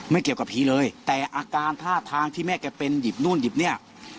เกี่ยวกับผีเลยแต่อาการท่าทางที่แม่แกเป็นหยิบนู่นหยิบเนี่ย